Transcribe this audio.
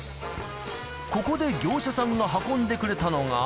ここで業者さんが運んでくれたのが。